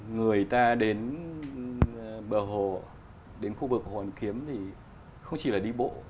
người ta đến bờ hồ đến khu vực hồ hoàn kiếm thì không chỉ là đi bộ